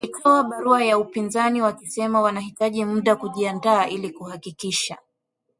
Walitoa barua kwa upinzani wakisema wanahitaji muda kujiandaa ili kuhakikisha